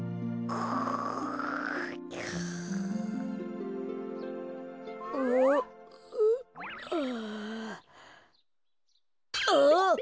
ああ。